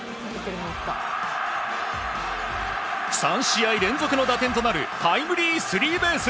３試合連続の打点となるタイムリースリーベース。